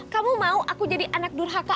kamu mau aku jadi anak durhaka